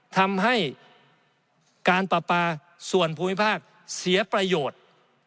ทำให้การปราปาส่วนภูมิภาคเสียประโยชน์